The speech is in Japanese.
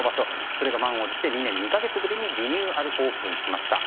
それが満を持して２年２か月ぶりにリニューアルオープンしました。